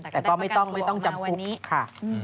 แต่ก็ไม่ต้องจำคุกค่ะ